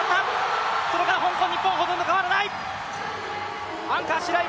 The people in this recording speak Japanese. それから日本、ほとんど変わらない！